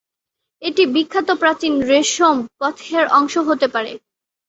এটি বিখ্যাত প্রাচীন রেশম পথের অংশ হতে পারে।